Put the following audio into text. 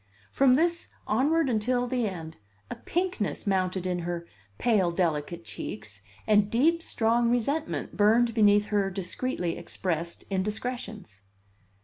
From this onward until the end a pinkness mounted in her pale, delicate cheeks, and deep, strong resentment burned beneath her discreetly expressed indiscretions.